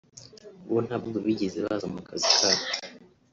bo ntabwo bigeze baza mu kazikabo